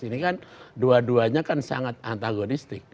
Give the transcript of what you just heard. ini kan dua duanya kan sangat antagonistik